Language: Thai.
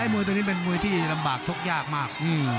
มวยตัวนี้เป็นมวยที่ลำบากชกยากมาก